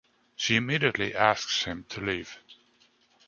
She immediately asks him to leave.